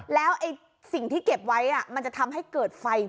แล้วสิ่งที่เก็บไว้มันจะทำให้เกิดไฟ